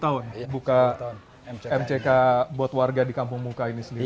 sepuluh tahun buka mck buat warga di kampung buka ini sendiri